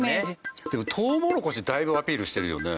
トウモロコシだいぶアピールしてるよね。